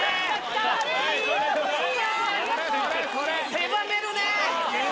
狭めるねぇ。